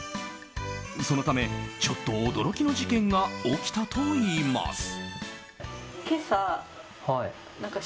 そのため、ちょっと驚きの事件が起きたといいます。